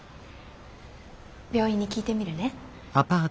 病院に聞いてみるね。